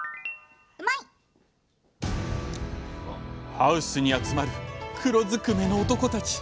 ハウスに集まる黒ずくめの男たち。